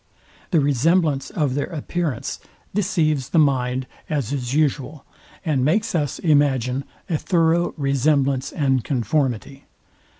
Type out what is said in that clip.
The resemblance of their appearance deceives the mind, as is usual, and makes us imagine a thorough resemblance and conformity.